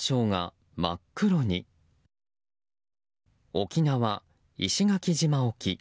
沖縄・石垣島沖。